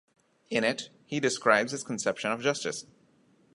In it he describes his conception of justice.